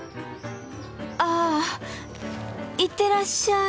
あ行ってらっしゃい。